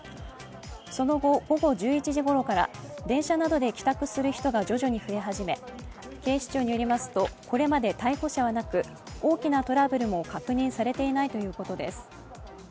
その後、午後１１時ごろから電車などで帰宅する人が徐々に増え始め警視庁によりますと、これまで逮捕者はなく、大きなトラブルも確認されていないということです。